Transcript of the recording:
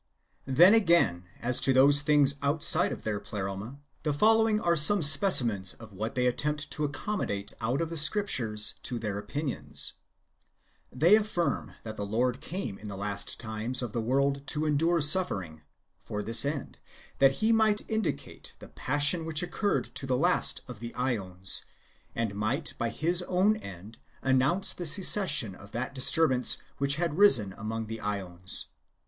Then, again, as to those things outside of their Pleroma, the following are some specimens of what they attempt to accommodate out of the Scriptures to their opinions. They affirm that the Lord came in the last times of the world to endure suffering, for this end, that He might indicate the passion wdiich occurred to the last of the ^ons, and might by His own end announce the cessation of that disturbance which had arisen amono; the iEons.